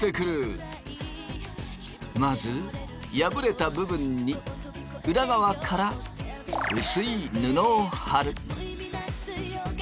まず破れた部分に裏側から薄い布を貼る。